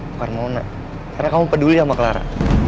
bukan mona karena kamu peduli sama clara